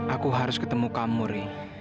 aku harus ketemu kamu ri